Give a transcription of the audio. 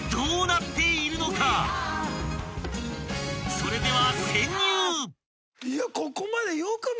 ［それでは］